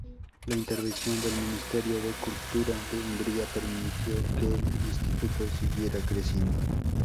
La intervención del Ministerio de Cultura de Hungría permitió que el Instituto siguiera creciendo.